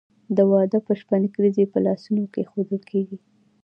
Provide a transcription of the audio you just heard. د واده په شپه نکریزې په لاسونو کیښودل کیږي.